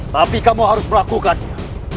tapi kamu harus melakukannya